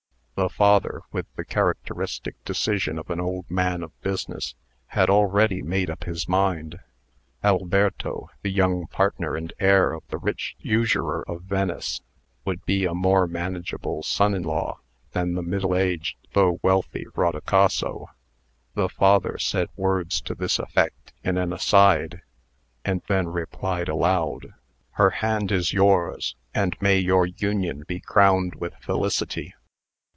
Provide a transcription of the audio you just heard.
The father, with the characteristic decision of an old man of business, had already made up his mind. Alberto, the young partner and heir of the rich usurer of Venice, would be a more manageable son in law than the middle aged though wealthy Rodicaso. The father said words to this effect in an "aside," and then replied aloud: "Her hand is yours; and may your union be crowned with felicity.